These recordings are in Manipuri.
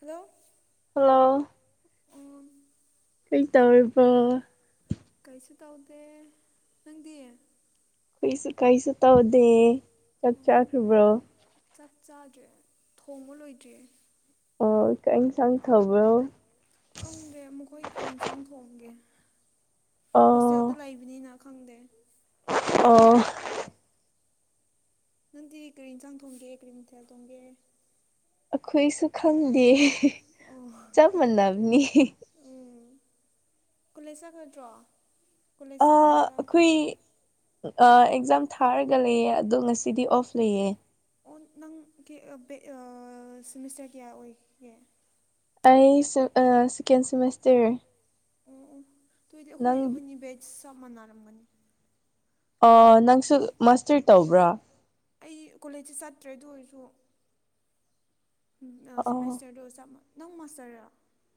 ꯍꯜꯂꯣ꯫ ꯍꯜꯂꯣ꯫ ꯎꯝ ꯀꯩ ꯇꯧꯔꯤꯕꯣ ꯀꯩꯁꯨ ꯇꯧꯗꯦ ꯅꯪꯗꯤ ꯑꯩꯁꯨ ꯀꯩꯁꯨ ꯇꯧꯗꯦ ꯆꯥꯛ ꯆꯥꯈ꯭ꯔꯤꯕꯣ ꯆꯥꯛ ꯆꯥꯗ꯭ꯔꯦ ꯊꯣꯡꯕ ꯂꯣꯏꯗ꯭ꯔꯤꯌꯦ ꯑꯣ ꯀꯩ ꯏꯪꯁꯥꯡ ꯊꯣꯕ꯭ꯔꯣ ꯈꯪꯗꯦ ꯃꯈꯣꯏ ꯀ꯭ꯔꯤ ꯏꯟꯆꯥꯡ ꯊꯣꯡꯒꯦ ꯍꯣꯁꯇꯦꯜꯗ ꯂꯩꯕꯅꯤꯅ ꯈꯪꯗꯦ ꯑꯣ ꯅꯪꯗꯤ ꯀꯔꯤ ꯏꯟꯁꯥꯡ ꯊꯣꯡꯒꯦ ꯀꯔꯤ ꯃꯊꯦꯜ ꯊꯣꯡꯒꯦ ꯑꯩꯈꯣꯏꯁꯨ ꯈꯪꯗꯦ ꯑꯣ ꯇꯝꯃꯅꯕꯅꯤ [unintelligible] ꯀꯣꯂꯦꯖ ꯆꯠꯀꯗ꯭ꯔꯣ ꯑꯥ ꯑꯩꯈꯣꯏ ꯑꯥ ꯑꯦꯛꯖꯥꯝ ꯊꯥꯔꯒ ꯂꯩꯌꯦ ꯑꯗꯨ ꯉꯁꯤꯗꯤ ꯑꯣꯐ ꯂꯩꯌꯦ ꯑꯣ ꯅꯪ ꯒꯦ ꯕꯦ ꯑꯥ ꯁꯦꯃꯤꯁꯇꯔ ꯀꯌꯥ ꯑꯣꯏꯈꯤꯒꯦ ꯑꯩ ꯁꯨ ꯑꯥ ꯁꯦꯀꯦꯟ ꯁꯦꯃꯤꯁꯇꯔ ꯑꯣ ꯑꯣ ꯇꯣꯏꯗꯤ ꯑꯩꯈꯣꯏ ꯑꯩꯈꯣꯏꯅꯤ ꯕꯦꯖ ꯆꯞ ꯃꯥꯟꯅꯔꯝꯒꯅꯤ ꯑꯣ ꯅꯪꯁꯨ ꯃꯥꯁꯇꯔ ꯇꯧꯕ꯭ꯔꯥ ꯑꯩ ꯀꯣꯂꯦꯖꯁꯦ ꯆꯠꯇ꯭ꯔꯦ ꯑꯗꯨ ꯑꯣꯏꯔꯁꯨ ꯁꯦꯃꯦꯁꯇꯔꯗꯣ ꯆꯞ ꯅꯪ ꯃꯥꯁꯇꯔ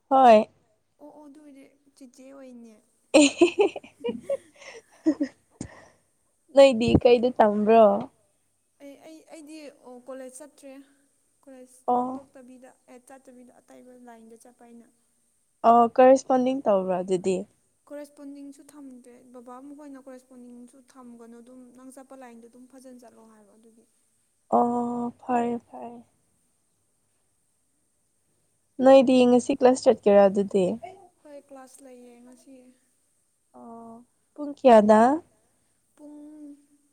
ꯍꯣꯏ ꯑꯣ ꯑꯣ ꯑꯗꯨ ꯑꯣꯏꯗꯤ ꯆꯤꯆꯦ ꯑꯣꯏꯅꯦ ꯑꯦ [unintelligible] ꯅꯪꯗꯤ ꯀꯩꯗ ꯇꯝꯕ꯭ꯔꯣ ꯑꯦ ꯑꯩ ꯑꯩꯗꯤ ꯀꯣꯂꯦꯖ ꯆꯠꯇ꯭ꯔꯦ ꯀꯣꯂꯦꯖ ꯇꯣꯛ ꯆꯠꯇꯕꯤꯗ ꯑꯦ ꯆꯠꯇꯕꯤꯗ ꯑꯇꯩꯕ ꯂꯥꯏꯟꯗ ꯆꯠꯄ ꯑꯩꯅ ꯑꯣ ꯀꯔꯦꯁꯄꯣꯟꯗꯤꯡ ꯇꯧꯕ꯭ꯔꯥ ꯑꯗꯨꯗꯤ ꯀꯣꯔꯦꯁꯄꯣꯟꯗꯤꯡꯁꯨ ꯊꯝꯗꯦ ꯕꯕꯥ ꯃꯈꯣꯏꯅ ꯀꯣꯔꯦꯁꯄꯣꯟꯗꯤꯡꯁꯨ ꯊꯝꯒꯅꯨ ꯑꯗꯨꯝ ꯅꯪ ꯆꯠ ꯆꯞꯄ ꯂꯥꯏꯟꯗꯣ ꯑꯗꯨꯝ ꯐꯖꯅ ꯆꯠꯂꯣ ꯍꯥꯏꯕ ꯑꯗꯨꯒꯤ ꯑꯣ ꯐꯔꯦ ꯐꯔꯦ ꯅꯣꯏꯗꯤ ꯉꯁꯤ ꯀ꯭ꯂꯥꯁ ꯆꯠꯀꯦꯔꯥ ꯑꯗꯨꯗꯤ ꯍꯣꯏ ꯀ꯭ꯂꯥꯁ ꯂꯩꯌꯦ ꯉꯁꯤ ꯄꯨꯡ ꯀꯌ꯭ꯥꯗꯥ ꯄꯨꯡ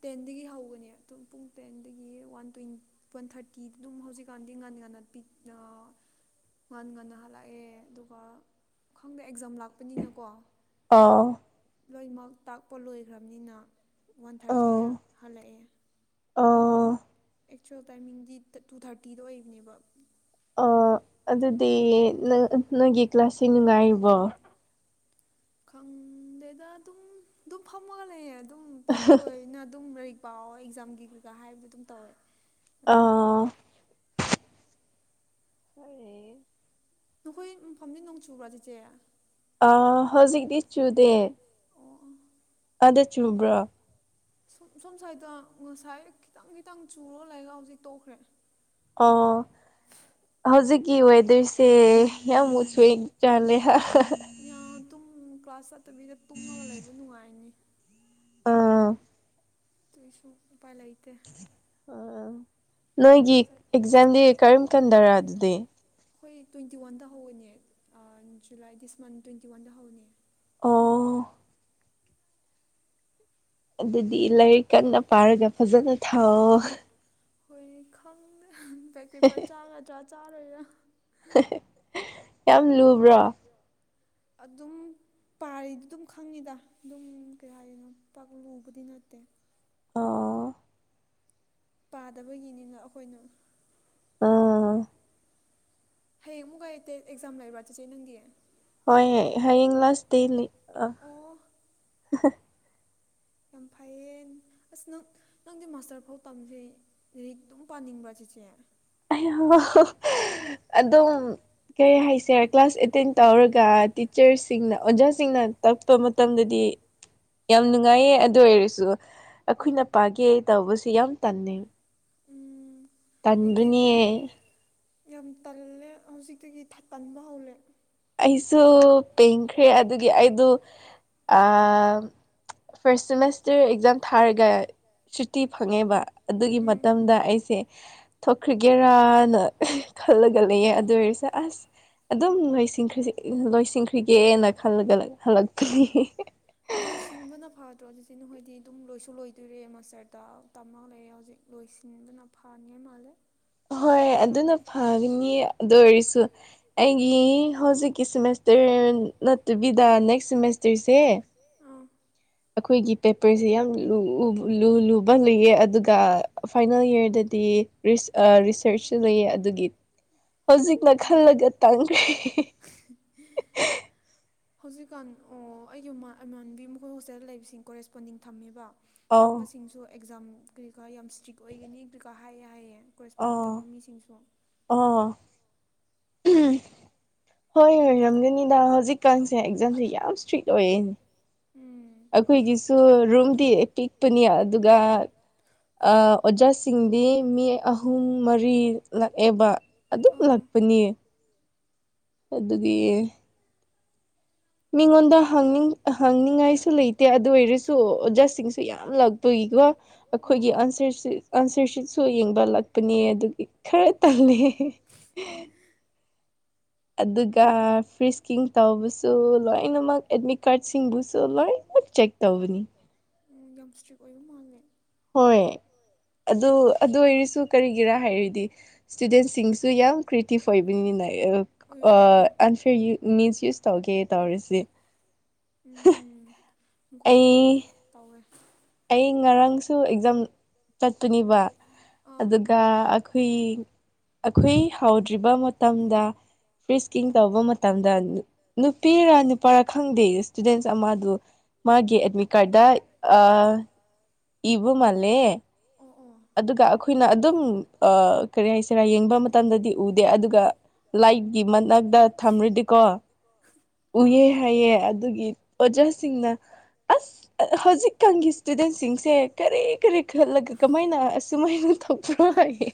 ꯇꯦꯟꯗꯒꯤ ꯍꯧꯒꯅꯤ ꯑꯗꯣ ꯄꯨꯡ ꯇꯦꯟꯗꯒꯤ ꯋꯥꯟ ꯇ꯭ꯋꯦꯟ ꯋꯥꯟ ꯊꯥꯔꯇꯤꯗ ꯑꯗꯨꯝ ꯍꯧꯖꯤꯛꯀꯥꯟꯗꯤ ꯉꯟ ꯉꯟꯅ ꯄꯤ ꯉꯟ ꯉꯟꯅ ꯍꯜꯂꯛꯑꯦ ꯑꯗꯨꯒ ꯈꯪꯗꯦ ꯑꯦꯛꯖꯥꯝ ꯂꯥꯛꯄꯅꯤꯅꯥꯀꯣ ꯑꯣ [unintelligible] ꯂꯣꯏꯅꯥꯃꯛ ꯇꯥꯛꯄ ꯂꯣꯏꯈ꯭ꯔꯕꯥꯅꯤꯅ ꯋꯥꯟ ꯊꯥꯔꯇꯤꯗ ꯍꯜꯂꯛꯑꯦ ꯑꯣ [unintelligible] ꯑꯦꯛꯆꯨꯋꯦꯜ ꯇꯥꯏꯃꯤꯡꯗꯤ ꯇꯨ ꯊꯥꯔꯇꯤꯗ ꯑꯣꯏꯕꯅꯦꯕ ꯑꯥ ꯑꯗꯨꯗꯤ ꯅꯪ ꯅꯪꯒꯤ ꯀ꯭ꯂꯥꯁꯁꯤꯡ ꯅꯨꯡꯉꯥꯏꯔꯤꯕꯣ ꯈꯪꯗꯦꯗꯥ ꯑꯗꯨꯝ ꯑꯗꯨꯝ ꯐꯝꯃꯒ ꯂꯩꯌꯦ ꯑꯗꯨꯝ ꯇꯥꯛꯄ ꯂꯣꯏꯅ ꯑꯗꯨꯝ ꯂꯥꯏꯔꯤꯛ ꯄꯥꯎ ꯑꯦꯛꯖꯥꯝꯒꯤ ꯀꯩꯀꯥ ꯍꯥꯏꯕꯗꯨ ꯗꯨꯝ ꯇꯧꯋꯦ ꯑꯗꯨꯒꯤ ꯍꯣꯏ ꯅꯈꯣꯏ ꯃꯐꯝꯗꯤ ꯅꯣꯡ ꯆꯨꯕ꯭ꯔ ꯏꯆꯦ ꯑ ꯍꯧꯖꯤꯛꯇꯤ ꯆꯨꯗꯦ ꯑꯗ ꯆꯨꯕ꯭ꯔꯣ ꯁꯨꯝ ꯁꯨꯝ ꯁ꯭ꯋꯥꯏꯗ ꯉꯁꯥꯏ ꯈꯤꯇꯪ ꯈꯤꯇꯪ ꯆꯨꯔꯒ ꯂꯩꯒ ꯍꯧꯖꯤꯛ ꯇꯣꯛꯈ꯭ꯔꯦ ꯑꯣ ꯍꯧꯖꯤꯛꯀꯤ ꯋꯦꯗꯔꯁꯦ ꯌꯥꯝ ꯃꯁꯨ ꯆꯥꯂꯦ [unintelligible] ꯇꯨꯝ ꯀ꯭ꯂꯥꯁ ꯆꯠꯇꯕꯤꯗ ꯇꯨꯡꯂꯥꯒ ꯂꯩꯕ ꯅꯨꯡꯉꯥꯏꯅꯤ ꯑꯗꯨ ꯑꯣꯏꯔꯁꯨ ꯎꯄꯥꯏ ꯂꯩꯇꯦ ꯑ ꯅꯣꯏꯒꯤ ꯑꯦꯛꯖꯥꯝꯗꯤ ꯀꯔꯝ ꯀꯟꯗꯥꯔꯥ ꯑꯗꯨꯗꯤ ꯑꯩꯈꯣꯏ ꯇ꯭ꯋꯦꯟꯇꯤ ꯋꯥꯟꯗ ꯍꯧꯕꯥꯅꯦ ꯖꯨꯂꯥꯏ ꯗꯤꯁ ꯃꯟꯠ ꯇ꯭ꯋꯦꯟꯇꯤ ꯋꯥꯟꯗ ꯍꯧꯕꯥꯅꯦ ꯑꯣ [unintelligible] ꯑꯗꯨꯗꯤ ꯂꯥꯏꯔꯤꯛ ꯀꯟꯅ ꯄꯥꯔꯒ ꯐꯥꯖꯅ ꯊꯥꯎꯑꯣ ꯑꯩ ꯈꯪꯗ꯭ꯔꯦ ꯕꯦꯛ ꯄꯦꯄꯔ ꯆꯥꯒꯗ꯭ꯔꯥ ꯆꯥꯔꯣꯏꯗ꯭ꯔꯥ ꯌꯥꯝ ꯂꯨꯕ꯭ꯔꯣ ꯑꯗꯨꯝ ꯄꯥꯔꯤꯗꯣ ꯑꯗꯨꯝ ꯈꯪꯉꯤꯗ ꯑꯗꯨꯝ ꯀꯩ ꯍꯥꯏꯗꯣꯏꯅꯣ ꯄꯥꯛ ꯂꯨꯕꯥꯗꯤ ꯅꯠꯇꯦ ꯑꯣꯥ [unintelligible] ꯄꯥꯗꯕꯒꯤꯅꯤꯅ ꯑꯩꯈꯣꯏꯅ ꯑꯥ [unintelligible] ꯍꯥꯌꯦꯡꯨ ꯃꯨꯛꯀꯥ ꯑꯦꯛꯖꯥꯝ ꯂꯩꯕ꯭ꯔꯥ ꯆꯦ-ꯆꯦ ꯅꯪꯒꯤ ꯍꯣꯏ ꯍꯥꯌꯦꯡ ꯂꯥꯁ ꯗꯦ ꯂꯩ ꯑꯥ ꯌꯥꯝ ꯐꯩꯌꯦ ꯑꯁ ꯅꯪ ꯅꯪꯗꯤ ꯃꯥꯁꯇꯔ ꯐꯥꯎ ꯇꯝꯈ꯭ꯔꯦ ꯂꯥꯏꯔꯤꯛ ꯑꯗꯨꯝ ꯄꯥꯅꯤꯡꯕꯔ ꯆꯦꯆꯦ ꯑꯗꯨꯝ ꯀꯔꯤ ꯍꯥꯏꯁꯤꯔꯥ ꯀ꯭ꯂꯥꯁ ꯑꯦꯇꯦꯟ ꯇꯧꯔꯒ ꯇꯤꯆꯔꯁ ꯁꯤꯡꯅ ꯑꯣꯖꯥꯁꯤꯡꯅ ꯇꯥꯛꯄ ꯃꯇꯝꯗꯗꯤ ꯌꯥꯝ ꯅꯨꯡꯉꯥꯏꯌꯦ ꯑꯗꯨ ꯑꯣꯏꯔꯁꯨ ꯑꯩꯈꯣꯏꯅ ꯄꯥꯒꯦ ꯇꯧꯕꯥꯁꯨ ꯌꯥꯝ ꯇꯜꯂꯦꯕꯥ ꯎꯝ ꯑꯩꯗꯤ ꯌꯥꯝ ꯇꯜꯂꯦ ꯍꯧꯖꯤꯛꯇꯒꯤ ꯇꯟꯕ ꯍꯧꯔꯦ ꯑꯩꯁꯨ ꯄꯦꯟꯈ꯭ꯔꯦ ꯑꯗꯨꯒꯤ ꯑꯩꯗꯨ ꯐꯥꯔꯁ ꯁꯦꯃꯦꯁꯇꯔ ꯑꯦꯛꯖꯥꯝ ꯊꯥꯔꯒ ꯁꯨꯇꯤ ꯐꯪꯉꯦꯕ ꯑꯗꯨꯒꯤ ꯃꯇꯝꯗ ꯑꯩꯁꯦ ꯊꯣꯛꯈ꯭ꯔꯥꯒꯦꯔꯥꯅ ꯈꯜꯂꯒ ꯂꯩꯌꯦ ꯑꯗꯨ ꯑꯣꯏꯔꯁꯨ ꯑꯁ ꯑꯗꯨꯝ ꯂꯣꯏꯁꯤꯟ ꯂꯣꯏ ꯁꯤꯟꯈ꯭ꯔꯒꯦꯅꯥ ꯈꯜꯂꯒ ꯍꯜꯂꯛꯇ꯭ꯔꯤ ꯂꯣꯏꯁꯤꯟꯕꯅ ꯐꯥꯗ꯭ꯔꯣ ꯆꯦ-ꯆꯦ ꯅꯥꯈꯣꯏꯗꯤ ꯑꯗꯨꯝ ꯂꯣꯏꯁꯨ ꯂꯣꯏꯗꯣꯔꯦ ꯃꯥꯁꯇꯔꯗ ꯇꯝꯃꯥꯒ ꯂꯩꯌꯦ ꯍꯧꯖꯤꯛ ꯂꯣꯏꯁꯤꯟꯕꯥꯅ ꯐꯥꯅꯤꯡꯉꯥꯏ ꯃꯥꯜꯂꯦ ꯍꯣꯏ ꯑꯗꯨꯅ ꯐꯥꯒꯅꯤ ꯑꯗꯨ ꯑꯣꯏꯔꯁꯨ ꯑꯩꯒꯤ ꯍꯧꯖꯤꯛꯀꯤ ꯁꯦꯃꯤꯁꯇꯔ ꯅꯠꯇꯕꯤꯗ ꯅꯦꯛꯁ ꯁꯦꯃꯤꯁꯇꯔꯁꯦ ꯑꯩꯈꯣꯏꯒꯤ ꯄꯦꯄꯔꯖꯦ ꯌꯥꯝ ꯂꯨ ꯂꯨꯕ ꯂꯩꯌꯦ ꯑꯗꯨꯒ ꯐꯥꯏꯅꯦꯜ ꯌꯥꯔꯗꯗꯤ ꯔꯤꯁ ꯑ ꯔꯤꯁꯁꯨ ꯂꯩꯌꯦ ꯑꯗꯨꯒꯤ ꯍꯧꯖꯤꯛꯅ ꯈꯜꯂꯒ ꯇꯟꯈ꯭ꯔꯦ ꯍꯧꯖꯤꯛꯀꯥꯟ ꯑꯣ ꯑꯩꯒꯤ ꯑꯃꯥꯟꯅꯕꯤ ꯑꯃ ꯍꯣꯁꯇꯦꯜꯗ ꯂꯩꯕꯁꯤꯡ ꯀꯣꯔꯦꯁꯄꯣꯟꯗꯤꯡ ꯊꯝꯃꯦꯕ ꯊꯝꯕꯥꯁꯤꯡꯁꯨ ꯑꯦꯛꯖꯥꯝ ꯀꯩꯀꯥ ꯌꯥꯝ ꯁꯇ꯭ꯔꯤꯛ ꯑꯣꯏꯒꯅꯤ ꯀꯩ ꯀꯥ ꯍꯥꯏꯌꯦ ꯍꯥꯏꯌꯦ ꯀꯣꯔꯦꯁꯄꯣꯟꯗꯤꯡ ꯊꯝꯕ ꯃꯤꯁꯤꯡꯁꯨ ꯑꯥ [inaudible] ꯍꯣꯏ ꯍꯣꯏ ꯔꯝꯒꯅꯤꯗ ꯍꯧꯖꯤꯛꯀꯥꯟꯁꯦ ꯑꯦꯛꯖꯥꯝꯁꯦ ꯌꯥꯝ ꯏꯁꯇ꯭ꯔꯤꯛ ꯑꯣꯏꯦꯅꯦ ꯑꯩꯈꯣꯏꯒꯤꯁꯨ ꯔꯨꯝꯗꯤ ꯄꯤꯛꯄꯅꯤ ꯑꯗꯨꯒ ꯑꯣꯖꯥꯁꯤꯡꯗꯤ ꯃꯤ ꯑꯍꯨꯝ ꯃꯔꯤ ꯂꯥꯛꯑꯦꯕ ꯑꯗꯨꯛ ꯂꯥꯛꯄꯅꯦ ꯑꯗꯨꯒꯤ ꯃꯤꯉꯣꯟꯗ ꯍꯪꯅꯤꯡ ꯍꯪꯡꯅꯤꯡꯉꯥꯏꯁꯨ ꯂꯩꯇꯦ ꯑꯗꯨ ꯑꯣꯏꯔꯁꯨ ꯑꯣꯖꯥꯁꯤꯡꯁꯨ ꯌꯥꯝ ꯂꯥꯛꯄꯒꯤꯀꯣ ꯑꯩꯈꯣꯏꯒꯤ ꯑꯟꯁꯔꯁꯤꯠ ꯑꯟꯁꯔꯁꯤꯠꯁꯨ ꯌꯦꯡꯕ ꯂꯥꯛꯄꯅꯦ ꯑꯗꯨꯒꯤ ꯈꯔ ꯇꯜꯂꯦ [inaudible] ꯑꯗꯨꯒ ꯐ꯭ꯔꯤꯛꯁꯀꯤꯡ ꯇꯧꯕꯁꯨ ꯂꯣꯏꯅꯃꯛ ꯑꯦꯗꯃꯤꯠ ꯀꯥꯔꯠꯁꯤꯡꯕꯨꯁꯨ ꯂꯣꯏꯅꯃꯛ ꯆꯦꯛ ꯇꯧꯕꯅꯤ ꯌꯥꯝ ꯁꯇ꯭ꯔꯤꯛ ꯑꯣꯏꯕ ꯃꯥꯜꯂꯦ ꯍꯣꯏ ꯑꯗꯨ ꯑꯗꯨ ꯑꯣꯏꯔꯁꯨ ꯀꯔꯤꯒꯤꯔꯥ ꯍꯥꯏꯔꯗꯤ ꯁꯇꯨꯗꯦꯟꯁꯤꯡꯁꯨ ꯌꯥꯝ ꯀ꯭ꯔꯤꯇꯤꯞ ꯑꯣꯏꯕꯅꯤꯅ ꯑ ꯑꯟꯐꯤꯔꯒꯤ ꯃꯤꯁ ꯌꯨꯁ ꯇꯧꯒꯦ ꯇꯧꯔꯤꯁꯦ ꯃꯈꯣꯏ ꯌꯥꯝ ꯇꯧꯋꯦ ꯑꯩ ꯉꯔꯥꯡꯁꯨ ꯑꯦꯛꯖꯥꯝ ꯆꯠꯄꯅꯤꯕ ꯑꯗꯨꯒ ꯑꯩꯈꯣꯏ ꯑꯩꯈꯣꯏ ꯍꯥꯎꯗ꯭ꯔꯤꯕ ꯃꯇꯝꯗ ꯐ꯭ꯔꯤꯁꯀꯤꯡ ꯇꯧꯕ ꯃꯇꯝꯗ ꯅꯨ ꯅꯨꯄꯤꯔꯥ ꯅꯨꯄꯥꯔꯥ ꯈꯪꯗꯦ ꯏꯁꯇꯨꯗꯦꯟꯁ ꯑꯃꯗꯨ ꯃꯥꯒꯤ ꯑꯦꯗꯃꯤꯠ ꯀꯥꯔꯗ ꯑ ꯏꯕ ꯃꯥꯜꯂꯦ ꯑꯗꯨꯒ ꯑꯩꯈꯣꯏꯅ ꯑꯗꯨꯝ ꯀꯔꯤ ꯍꯥꯏꯁꯤꯔꯥ ꯌꯦꯡꯕ ꯃꯇꯝꯗꯗꯤ ꯎꯗꯦ ꯑꯗꯨꯒ ꯂꯥꯏꯗꯒꯤ ꯃꯅꯥꯛꯗ ꯊꯝꯔꯗꯤꯀꯣ ꯎꯌꯦ ꯍꯥꯏꯌꯦ ꯑꯗꯨꯒꯤ ꯑꯣꯖꯥꯁꯤꯡꯅ ꯑꯁ ꯍꯧꯖꯤꯛꯀꯥꯟꯒꯤ ꯁꯇꯨꯗꯦꯟꯁꯤꯡꯁꯦ ꯀꯔꯤ ꯀꯔꯤ ꯈꯜꯂꯒ ꯀꯃꯥꯏꯅ ꯑꯁꯨꯃꯥꯏꯅ ꯇꯧꯕ꯭ꯔꯣ ꯍꯥꯏꯌꯦ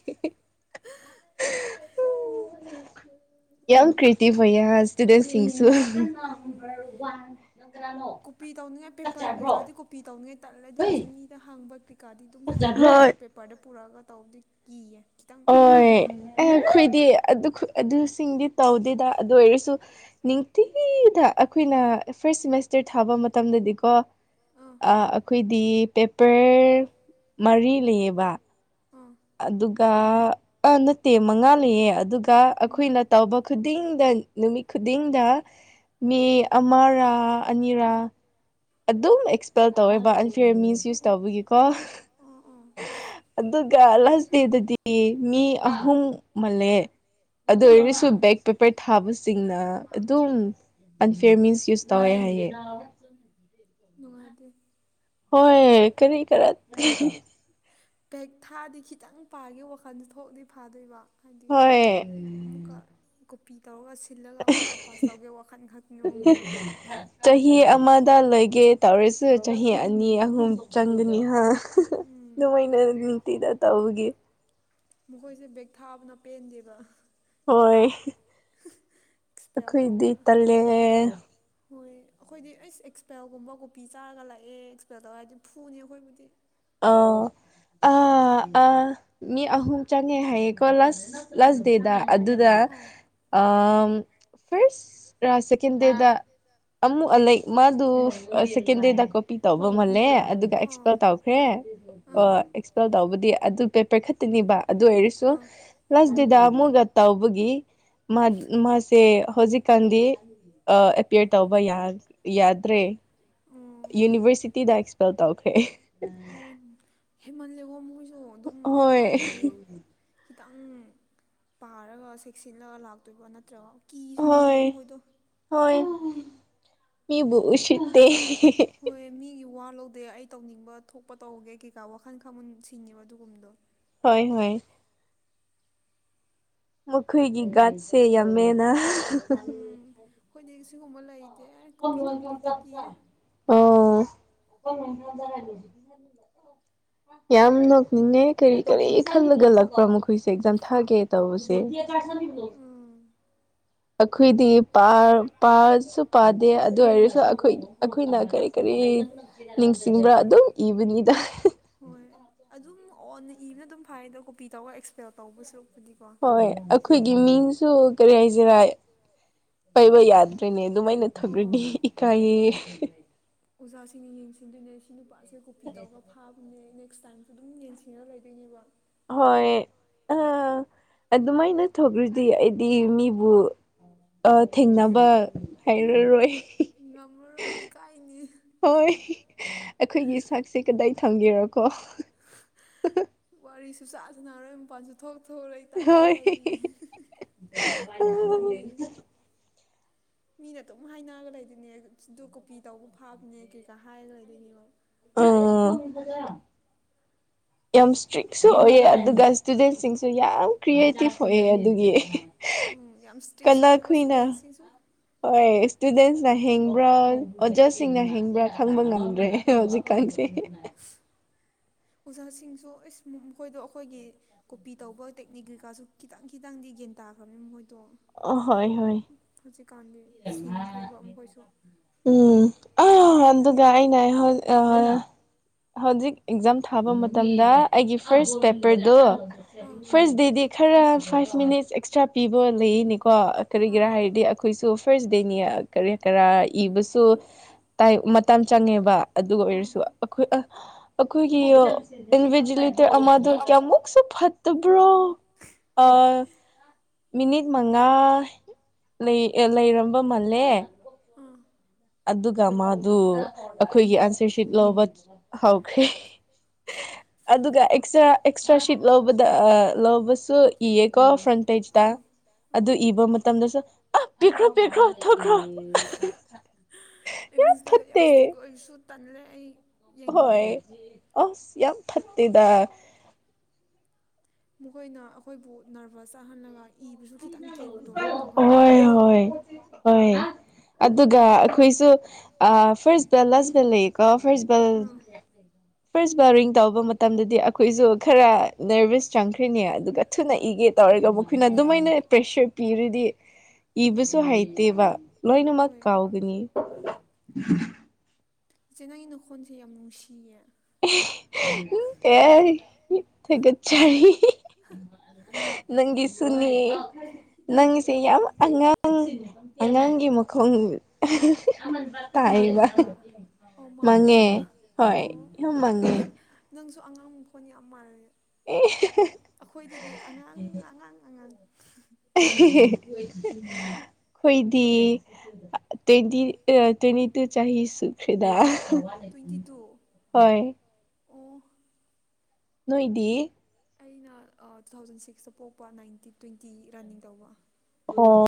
[inaudible] ꯌꯥꯝ ꯀ꯭ꯔꯤꯇꯤꯚ ꯑꯣꯢꯌꯦ ꯁꯇꯨꯗꯦꯟꯁꯤꯡꯁꯨ ꯀꯣꯄꯤ ꯇꯧꯅꯤꯡꯉꯥꯏ ꯄꯦꯄꯔ ꯀꯩꯀꯥꯗꯤ ꯀꯣꯄꯤ ꯇꯧꯅꯤꯡꯉꯥꯏ ꯇꯠꯂꯦ ꯑꯗꯨ ꯑꯣꯏꯔꯁꯨ ꯃꯤꯗ ꯍꯥꯡꯕ ꯀ ꯀꯩꯀꯥꯗꯤ ꯑꯗꯨꯝ ꯍꯩꯌꯦ ꯑꯗꯨ ꯑꯣꯏꯔꯁꯨ ꯄꯦꯄꯔꯗ ꯄꯨꯔꯛꯑꯒ ꯇꯧꯕꯗꯤ ꯀꯤꯌꯦ ꯈꯤꯇꯪ ꯍꯣꯏ ꯑꯩꯈꯣꯏꯗꯤ ꯑꯗꯨꯈꯨ ꯑꯗꯨꯁꯤꯡꯗꯤ ꯇꯧꯗꯦꯗ ꯑꯗꯨ ꯑꯣꯏꯔꯁꯨ ꯅꯤꯡꯊꯤꯗ ꯑꯩꯈꯣꯏꯅ ꯐꯥꯔꯁ ꯁꯦꯃꯤꯁꯇꯔ ꯊꯥꯕ ꯃꯇꯝꯗꯗꯤꯀꯣ ꯑ ꯑꯩꯈꯣꯏꯗꯤ ꯄꯦꯄꯔ ꯃꯔꯤ ꯂꯩꯌꯦꯕ ꯑꯗꯨꯒ ꯑ ꯅꯠꯇꯦ ꯃꯉꯥ ꯂꯩꯌꯦ ꯑꯗꯨꯒ ꯑꯩꯈꯣꯏꯅ ꯇꯥꯎꯕ ꯈꯨꯗꯤꯡꯗ ꯅꯨꯃꯤꯠ ꯈꯨꯗꯤꯡꯗ ꯃꯤ ꯑꯃꯔꯥ ꯑꯅꯤꯔꯥ ꯑꯗꯨꯝ ꯑꯦꯛꯁꯄꯦꯜ ꯇꯧꯋꯦꯕ ꯑꯟꯐꯤꯌꯔ ꯃꯤꯟꯁ ꯌꯨꯁ ꯇꯧꯕꯒꯤꯀꯣ ꯑꯣ ꯑꯣ ꯑꯗꯨꯒ ꯂꯥꯁ ꯗꯦꯗꯗꯤ ꯃꯤ ꯑꯍꯨꯝ ꯃꯜꯂꯦ ꯑꯗꯨ ꯑꯣꯏꯔꯁꯨ ꯕꯦꯛ ꯄꯦꯄꯔ ꯊꯥꯕꯁꯤꯡꯅ ꯑꯗꯨꯝ ꯑꯟꯐꯤꯌꯔ ꯃꯤꯟꯁ ꯌꯨꯁ ꯇꯧꯋꯦ ꯍꯥꯏꯌꯦ ꯅꯨꯡꯉꯥꯏꯇꯦ ꯍꯣꯏ ꯀꯔꯤ ꯀꯔꯠ ꯀꯩ ꯊꯥꯗꯤ ꯈꯤꯇꯪ ꯄꯥꯒꯦ ꯋꯥꯈꯜꯗꯣ ꯊꯣꯛꯅꯤ ꯐꯥꯗꯣꯏꯕ ꯍꯥꯏꯗꯤ ꯍꯣꯏ ꯑꯃꯨꯛꯀ ꯀꯣꯄꯤ ꯇꯧꯔꯒ ꯁꯤꯜꯂꯒ ꯑꯃꯨꯛꯀ ꯄꯥꯁ ꯇꯧꯒꯦ ꯋꯥꯈꯟ ꯈꯟꯒꯅꯨ ꯃꯣꯏꯗꯣ ꯆꯍꯤ ꯑꯃꯗ ꯂꯩꯒꯦ ꯇꯧꯔꯁꯨ ꯆꯍꯤ ꯑꯅꯤ ꯑꯍꯨꯝ ꯆꯪꯒꯅꯤ ꯍꯥ ꯑꯗꯨꯃꯥꯏꯅ ꯅꯨꯡꯇꯤꯗ ꯇꯧꯕꯒꯤ ꯃꯈꯣꯏꯁꯦ ꯕꯦꯛ ꯊꯥꯕꯅ ꯄꯦꯟꯗꯦꯕ ꯍꯣꯏ ꯑꯦꯛꯁꯄꯦꯜ ꯇꯧꯕ ꯇꯜꯂꯦ ꯍꯣꯏ ꯑꯩꯈꯣꯏꯗꯤ ꯑꯩꯁ ꯑꯦꯛꯁꯄꯦꯜꯒꯨꯝꯕ ꯀꯣꯄꯤ ꯆꯥꯔꯒ ꯂꯥꯛꯑꯦ ꯑꯦꯛꯁꯄꯦꯜ ꯇꯧ ꯍꯥꯏꯗꯤ ꯐꯨꯅꯤ ꯑꯩꯈꯣꯏꯕꯨꯗꯤ ꯑꯥ ꯑꯥ ꯑꯥ ꯃꯤ ꯑꯍꯨꯝ ꯆꯪꯉꯦ ꯍꯥꯏꯌꯦ ꯀꯣ ꯂꯥꯁ ꯂꯥꯁ ꯗꯦꯗ ꯑꯗꯨꯗ ꯑꯥꯝ ꯐꯥꯔꯁ ꯔ ꯁꯦꯀꯦꯟ ꯗꯦꯗ ꯑꯃꯨꯛ ꯑꯂꯥꯏꯛ ꯃꯥꯗꯨ ꯁꯦꯀꯦꯟꯗꯦꯗ ꯀꯣꯄꯤ ꯇꯧꯕ ꯃꯥꯜꯂꯦ ꯑꯗꯨꯒ ꯑꯦꯛꯁꯄꯦꯜ ꯇꯧ ꯍ꯭ꯔꯦ ꯑꯣ ꯑꯦꯛꯁꯄꯦꯜ ꯇꯧꯕꯗꯤ ꯑꯗꯨ ꯄꯦꯄꯔ ꯈꯛꯇꯅꯤꯕ ꯑꯗꯨ ꯑꯣꯏꯔꯁꯨ ꯂꯩꯇꯦꯗ ꯃꯣꯏꯒ ꯇꯧꯕꯒꯤ ꯃꯥ ꯃꯥꯁꯦ ꯍꯧꯖꯤꯛꯀꯥꯟꯗꯤ ꯑꯩ ꯑꯦꯄꯤꯌ꯭ꯔ ꯇꯧꯕ ꯌꯥ ꯌꯥꯗ꯭ꯔꯦ ꯌꯨꯅꯤꯚꯔꯁꯤꯇꯤꯗ ꯑꯦꯛꯁꯄꯦꯜ ꯇꯧꯈ꯭ꯔꯦ ꯑꯣꯟ ꯍꯦꯟꯃꯟꯂꯦꯀꯣ ꯃꯣꯏꯖꯨ ꯑꯗꯨꯝ ꯐꯥꯔꯗꯤ ꯈꯤꯇꯪ ꯄꯥꯔꯒ ꯁꯦꯛꯁꯤꯜꯂꯒ ꯂꯥꯛꯇꯣꯏꯕ ꯅꯠꯇ꯭ꯔꯒ ꯀꯤꯁꯨ ꯀꯤꯗꯦ ꯃꯣꯏꯗꯣ ꯍꯣꯏ ꯃꯤꯕꯨ ꯎꯁꯤꯠꯇꯦ ꯍꯣꯏ ꯃꯤꯒꯤ ꯋꯥ ꯂꯧꯗꯦ ꯑꯩ ꯇꯧꯅꯤꯡꯕ ꯊꯣꯛꯄ ꯇꯧꯒꯦ ꯀꯩꯀꯥ ꯋꯥꯈꯜ ꯈꯟꯕꯁꯤꯡꯅꯦꯕ ꯑꯗꯨꯒꯨꯝꯕꯗꯣ ꯍꯣꯏ ꯍꯣꯏ ꯃꯈꯣꯏꯒꯤ ꯒꯠꯁꯦ ꯌꯥꯝꯃꯦꯅ ꯑꯩꯈꯣꯏꯗꯤ ꯁꯤꯒꯨꯝꯕ ꯂꯩꯇꯦ ꯀꯣꯄꯤ ꯇꯧꯅꯤꯉꯩꯗꯤ ꯀꯤꯌꯦ ꯑꯣ [inaudible] ꯌꯥꯝ ꯅꯣꯛꯅꯤꯡꯉꯦ ꯀꯔꯤ ꯀꯔꯤ ꯈꯜꯂꯒ ꯂꯥꯛꯄ꯭ꯔꯥ ꯃꯈꯣꯏꯁꯦ ꯑꯦꯛꯖꯥꯝ ꯊꯥꯒꯦ ꯇꯧꯕꯁꯦ ꯑꯩꯈꯣꯏꯗꯤ ꯄꯥꯔ ꯄꯥꯁꯨ ꯄꯥꯗꯦ ꯑꯗꯨ ꯑꯣꯏꯔꯁꯨ ꯑꯩꯈꯣꯏ ꯑꯩꯈꯣꯏꯅ ꯀꯔꯤ ꯀꯔꯤ ꯅꯤꯡꯁꯤꯡꯕ꯭ꯔꯥ ꯑꯗꯨꯝ ꯏꯕꯅꯤꯗꯥ ꯍꯣꯏ ꯑꯣꯟꯅ ꯏꯕꯅ ꯑꯗꯨꯝ ꯐꯩꯗ ꯀꯣꯄꯤ ꯇꯧꯕ ꯑꯦꯛꯁꯄꯦꯜ ꯇꯧꯕ ꯁꯔꯨꯛꯄꯨꯗꯤ ꯀꯣ ꯍꯣꯏ ꯑꯩꯈꯣꯏꯒꯤ ꯃꯤꯡꯁꯨ ꯀꯔꯤ ꯍꯥꯏꯖꯤꯔꯥꯏ ꯄꯩꯕ ꯌꯥꯗ꯭ꯔꯦꯅꯦ ꯑꯗꯨꯃꯥꯏꯅ ꯊꯛꯒ꯭ꯔꯗꯤ ꯏꯀꯥꯏꯌꯦ ꯑꯣꯖꯥꯁꯤꯡꯅ ꯌꯦꯡꯁꯤꯟꯗꯨꯏꯅꯦ ꯑꯁꯤ ꯅꯨꯄꯥꯁꯦ ꯀꯣꯄꯤ ꯇꯧꯕ ꯐꯥꯕꯅꯦ ꯅꯦꯛꯁ ꯇꯥꯏꯝꯁꯨ ꯑꯗꯨꯝ ꯌꯦꯡꯁꯤꯟꯅ ꯂꯩꯗꯣꯏꯅꯦꯕ ꯍꯣꯏ ꯑ ꯑꯗꯨꯃꯥꯏꯅ ꯊꯣꯛꯂꯗꯤ ꯑꯩꯗꯤ ꯃꯤꯕꯨ ꯑ ꯊꯦꯡꯅꯕ ꯍꯩꯔꯔꯣꯏ ꯉꯝꯃꯔꯣꯏ ꯏꯀꯥꯏꯅꯤ ꯍꯣꯏ ꯑꯩꯈꯣꯏꯒꯤ ꯁꯛꯁꯦ ꯀꯗꯥꯏ ꯊꯝꯒꯦꯔꯀꯣ ꯋꯥꯔꯤ ꯁꯨꯁꯥꯟ ꯁꯥꯟꯅꯔꯣꯏ ꯃꯄꯟꯁꯨ ꯊꯣꯛ ꯊꯣꯑꯔꯣꯏ ꯇꯥꯏꯞꯇ ꯂꯩꯗꯣꯏꯅꯤ ꯏꯀꯥꯏꯃꯟꯕꯩ [inaudible] ꯃꯤꯅ ꯑꯗꯨꯝ ꯍꯥꯏꯅꯔꯒ ꯂꯩꯗꯣꯏꯅꯦ ꯗꯨ ꯀꯣꯄꯤ ꯇꯧꯕ ꯐꯥꯕꯅꯦ ꯀꯩꯀꯥ ꯍꯥꯏꯔꯒ ꯂꯩꯗꯣꯏꯅꯦꯕ ꯑ [inaudible] ꯌꯥꯝ ꯏꯁꯇ꯭ꯔꯤꯛꯁꯨ ꯑꯣꯏꯌꯦ ꯑꯗꯨꯒ ꯏꯁꯇꯨꯗꯦꯟꯁꯤꯡꯁꯨ ꯌꯥꯝ ꯀ꯭ꯔꯤꯌꯦꯇꯤꯞ ꯑꯣꯏꯌꯦ ꯑꯗꯨꯒꯤ ꯀꯅꯥꯈꯨꯏꯅ ꯏꯖꯨ ꯍꯣꯏ ꯏꯁꯇꯨꯗꯦꯟꯁꯅ ꯍꯤꯡꯕ꯭ꯔꯥꯜ ꯑꯣꯖꯥꯁꯤꯡꯅ ꯍꯤꯡꯕ꯭ꯔꯥ ꯈꯪꯕ ꯉꯝꯗ꯭ꯔꯦ ꯍꯧꯖꯤꯛ ꯀꯡꯁꯦ ꯑꯣꯖꯥꯁꯤꯡꯁꯨ ꯑꯩꯁ ꯃꯈꯣꯏꯗꯣ ꯑꯩꯈꯣꯏꯒꯤ ꯀꯣꯄꯤ ꯇꯧꯕ ꯇꯦꯛꯅꯤꯛ ꯀꯩꯀꯥꯁꯨ ꯈꯤꯇꯪ ꯈꯤꯇꯪꯗꯤ ꯒꯤꯟ ꯇꯥꯈ꯭ꯔꯝꯅꯤ ꯃꯣꯏꯗꯣ ꯑꯣ ꯍꯣꯏ ꯍꯣꯏ ꯍꯧꯖꯤꯛꯀꯥꯟꯗꯤ ꯁꯤꯡꯈ꯭ꯔꯦꯕ ꯃꯈꯣꯏꯁꯨ ꯎꯝ ꯑꯥ ꯑꯗꯨꯒ ꯑꯩꯅꯥ [unintelligible] ꯑ ꯍꯧꯖꯤꯛ ꯑꯦꯛꯖꯥꯝ ꯊꯥꯕ ꯃꯇꯝꯗ ꯑꯩꯒꯤ ꯐꯥꯔꯁ ꯄꯦꯄꯔꯗꯨ ꯐꯥꯔꯁ ꯗꯦꯗꯤ ꯈꯔ ꯐꯥꯏꯚ ꯃꯤꯅꯤꯠ ꯑꯦꯛꯁꯇ꯭ꯔꯥ ꯄꯤꯕ ꯂꯩꯌꯤꯅꯤꯀꯣ ꯀꯔꯤꯒꯤꯔꯥ ꯍꯥꯏꯔꯗꯤ ꯑꯩꯈꯣꯏꯁꯨ ꯐꯥꯔꯁ ꯗꯦꯅꯤ ꯑ ꯀꯔꯤ ꯀꯔꯥ ꯏꯕꯁꯨ ꯇꯥꯏꯝ ꯃꯇꯝ ꯆꯪꯉꯦꯕ ꯑꯗꯨ ꯑꯣꯏꯔꯁꯨ ꯑꯩꯈꯣꯏ ꯑ ꯑꯩꯈꯣꯏꯒꯤ ꯏꯟꯚꯤꯖꯤꯂꯦꯇꯔ ꯑꯃꯥꯗꯣ ꯀꯌꯥꯃꯨꯛ ꯁꯨ ꯐꯠꯇꯕ꯭ꯔꯥ ꯑ ꯃꯤꯅꯤꯠ ꯃꯉꯥ ꯂꯩ ꯑꯦ ꯂꯩꯔꯝꯕ ꯃꯜꯂꯦ ꯑꯗꯨꯒ ꯃꯥꯗꯨ ꯑꯩꯈꯣꯏꯒꯤ ꯑꯟꯁꯔ ꯁꯤꯠ ꯂꯧꯕ ꯍꯧꯈ꯭ꯔꯦ [unintelligible] ꯑꯗꯨꯒ ꯑꯦꯛꯁꯇ꯭ꯔꯥ ꯑꯦꯛꯁꯇ꯭ꯔꯥ ꯁꯤꯠ ꯂꯧꯕꯗ ꯑ ꯂꯧꯕꯁꯨ ꯏꯌꯦꯀꯣ ꯐ꯭ꯔꯟ ꯄꯦꯖꯇ ꯑꯗꯨ ꯏꯕ ꯃꯇꯝꯗꯁꯨ ꯑ ꯄꯤꯈ꯭ꯔꯣ ꯄꯤꯈ꯭ꯔꯣ ꯊꯣꯛꯈ꯭ꯔꯣ ꯢꯝꯕꯤꯖꯤꯂꯦꯇꯔ ꯌꯥꯝ ꯁꯇ꯭ꯔꯤꯛ ꯑꯣꯏꯔꯁꯨ ꯇꯟꯂꯦ ꯑꯩ ꯍꯣꯏ ꯑꯁ ꯌꯥꯝ ꯐꯠꯇꯦꯗ ꯃꯈꯣꯏꯅ ꯑꯩꯈꯣꯏꯕꯨ ꯅꯔꯚꯁ ꯆꯥꯍꯜꯂꯒ ꯏꯕꯁꯨ ꯈꯤꯇꯪ ꯀꯤꯕꯗꯣ ꯑꯗꯨꯝ ꯇꯧꯍꯜꯂꯦ ꯃꯣꯏꯗꯣ [inaudible] ꯑꯗꯨꯒ ꯑꯩꯈꯣꯏꯁꯨ ꯑ ꯐ꯭ꯔꯁ ꯕꯦꯜ ꯂꯥꯁ ꯕꯦꯜ ꯂꯩꯌꯦꯀꯣ ꯐ꯭ꯔꯁ ꯕꯦꯜ [inaudible] ꯐ꯭ꯔꯁ ꯕꯦꯜ ꯔꯤꯡ ꯇꯧꯕ ꯃꯇꯝꯗꯗꯤ ꯑꯩꯈꯣꯏꯁꯨ ꯈꯔ ꯅꯔꯚꯁ ꯆꯪꯈ꯭ꯔꯅꯤ ꯑꯗꯨꯒ ꯊꯨꯅ ꯏꯒꯦ ꯇꯧꯔꯒ ꯃꯈꯣꯏꯅ ꯑꯗꯨꯃꯥꯏꯅ ꯄ꯭ꯔꯦꯁꯔ ꯄꯤꯔꯗꯤ ꯏꯕꯁꯨ ꯍꯩꯇꯦꯕ ꯂꯣꯏꯅꯃꯛ ꯀꯥꯎꯒꯅꯤ꯫ ꯢꯆꯦ ꯅꯪꯒꯤ ꯅꯈꯣꯟꯁꯦ ꯌꯥꯝ ꯅꯨꯡꯁꯤꯌꯦ꯫ ꯑꯦ ꯊꯥꯒꯠꯆꯔꯤ ꯅꯪꯒꯤꯁꯨꯅꯤ ꯅꯪꯉꯤꯁꯦ ꯌꯥꯝ ꯑꯉꯥꯡ ꯑꯉꯥꯡꯒꯤ ꯃꯈꯣꯡ ꯃꯥꯟꯗꯕ꯭ꯔꯥ ꯑꯣ ꯃꯥꯟꯕ꯭ꯔꯥ ꯑꯣ ꯅꯪ ꯅꯪꯖꯨ ꯑꯉꯥꯡ ꯃꯈꯣꯟ ꯌꯥꯝ ꯃꯥꯟꯂꯦ꯫ ꯑꯦ [unintelligible] ꯑꯈꯣꯏꯗꯒꯤ ꯑꯉꯥꯡ ꯑꯉꯥꯡ ꯑꯉꯥꯡ ꯍꯣꯏꯗꯤ ꯇꯋꯦꯟꯇꯤ ꯑ ꯇꯋꯦꯟꯇꯤꯇꯨ ꯆꯍꯤ ꯁꯨꯈ꯭ꯔꯦꯗ꯫ ꯇꯣꯢꯟꯇꯤꯇꯨ ꯍꯣꯏ ꯅꯣꯏꯗꯤ ꯑꯩꯅ ꯑ ꯇꯨꯊꯥꯎꯖꯟ ꯁꯤꯛꯁꯇ ꯄꯣꯛꯄ ꯅꯥꯏꯟꯇꯤ ꯇ꯭ꯋꯦꯟꯇꯤ ꯔꯟꯅꯤꯡ ꯇꯧꯕ꯫ ꯑꯣ